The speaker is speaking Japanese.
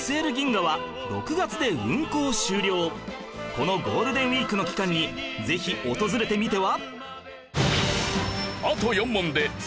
このゴールデンウィークの期間にぜひ訪れてみては？